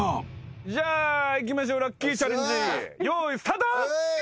じゃあいきましょうラッキィチャレンジよいスタート。